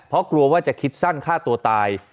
เพราะกลัวว่าจะคิดสั้นฆ่าตัวตาย